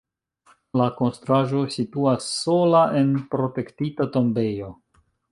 La konstruaĵo situas sola en protektita tombejo.